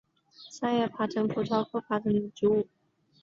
三叶崖爬藤是葡萄科崖爬藤属的植物。